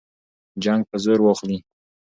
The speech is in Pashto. جنګ به زور واخلي.